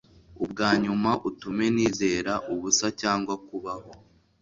Ubwanyuma utume nizera ubusa cyangwa kubaho